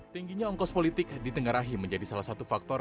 tingginya ongkos politik di tengah rahim menjadi salah satu faktor